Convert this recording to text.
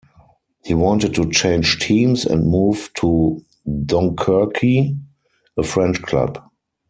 He wanted to change teams and move to Dunkerque, a French club.